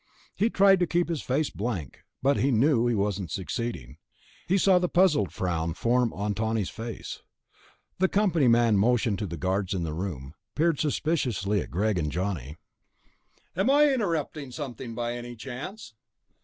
He tried to keep his face blank, but he knew he wasn't succeeding. He saw the puzzled frown form on Tawney's face. The company man motioned the guards into the room, peered suspiciously at Greg and Johnny. "Am I interrupting something, by any chance?"